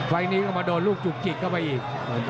ไฟล์นี้ก็มาโดนลูกจุกจิกเข้าไปอีก